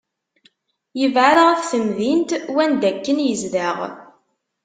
Yebεed ɣef temdint wanda akken yezdeɣ.